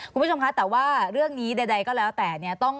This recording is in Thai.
คุณผู้ชมคะแต่ว่าเรื่องนี้ใดก็แล้วแต่เนี่ย